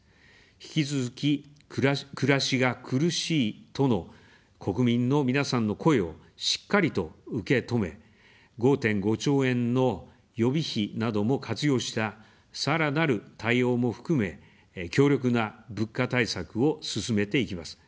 引き続き、暮らしが苦しいとの国民の皆さんの声をしっかりと受け止め、５．５兆円の予備費なども活用した、さらなる対応も含め、強力な物価対策を進めていきます。